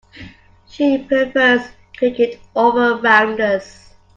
She prefers cricket over rounders.